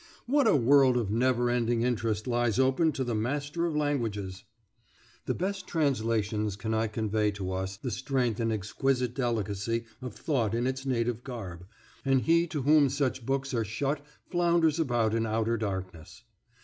What a world of never ending interest lies open to the master of languages! The best translations cannot convey to us the strength and exquisite delicacy of thought in its native garb, and he to whom such books are shut flounders about in outer darkness.